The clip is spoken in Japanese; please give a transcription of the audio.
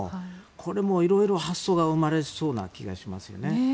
これも色々発想が生まれそうな気がしますね。